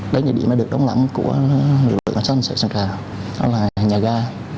đến địa điểm này được đóng lãnh của lực lượng sản xuất sân trà đó là nhà ga